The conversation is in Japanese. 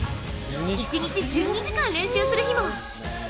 一日１２時間練習する日も。